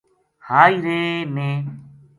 ہائی رے ! میں